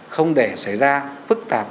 không để xảy ra phức tạp